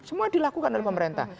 semua dilakukan oleh pemerintah